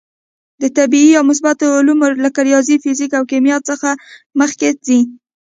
د طبعي یا مثبته علومو لکه ریاضي، فیزیک او کیمیا هم مخکې ځي.